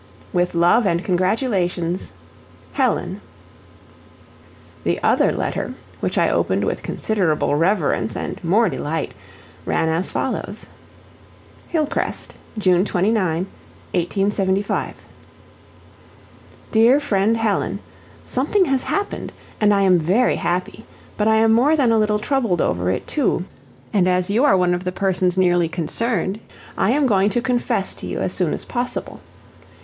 "With love and congratulations, "HELEN." The other letter, which I opened with considerable reverence and more delight, ran as follows: "HILLCREST, June 29, 1875. "DEAR FRIEND HELEN: Something has happened, and I am very happy, but I am more than a little troubled over it, too, and as you are one of the persons nearly concerned, I am going to confess to you as soon as possible.